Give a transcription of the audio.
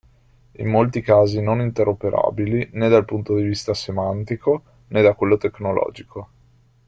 In molti casi non interoperabili né dal punto di vista semantico né da quello tecnologico.